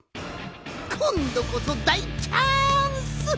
こんどこそだいチャンス！